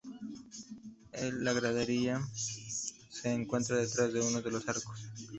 El la gradería se encuentra detrás de uno de los arcos.